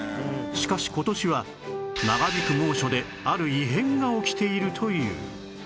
しかし今年は長引く猛暑である異変が起きているという